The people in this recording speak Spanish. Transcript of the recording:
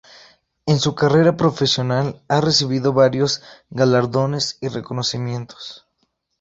En su carrera profesional ha recibido varios galardones y reconocimientos.